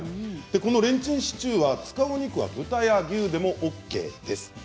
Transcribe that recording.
このレンチンシチューは使う肉は、豚や牛でもＯＫです。